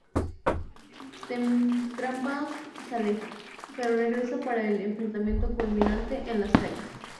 Trampas se aleja, pero regresa para el enfrentamiento culminante en las calles.